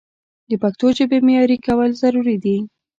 د پښتو ژبې معیاري کول ضروري دي.